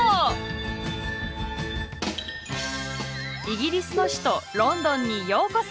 イギリスの首都ロンドンにようこそ。